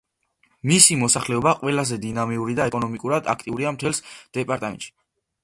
მისი მოსახლეობა ყველაზე დინამიური და ეკონომიკურად აქტიურია მთელს დეპარტამენტში.